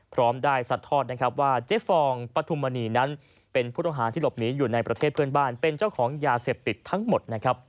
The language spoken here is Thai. พร้อมได้สัดทอดนะครับว่าเจ๊ฟองปฐุมมณีนั้นเป็นผู้ต้องหาที่หลบหนีอยู่ในประเทศเพื่อนบ้านเป็นเจ้าของยาเสพติดทั้งหมดนะครับ